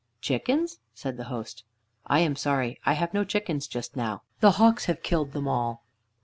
"Chickens?" said the host. "I am sorry I have no chickens just now. The hawks have killed them all."